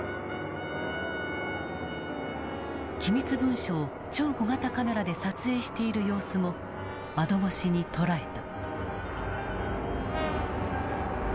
機密文書を超小型カメラで撮影している様子も窓越しに捉えた。